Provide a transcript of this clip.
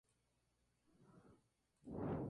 De la misma forma, la creación de Mr.